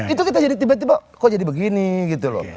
itu kita jadi tiba tiba kok jadi begini gitu loh